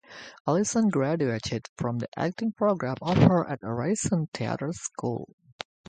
Allison graduated from the acting program offered at Ryerson Theatre School.